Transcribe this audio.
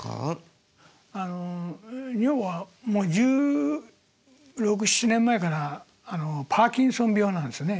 女房はもう１６１７年前からパーキンソン病なんですね。